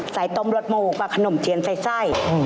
ใส่ต้มรสหมูกกับขนมเฉียนใส่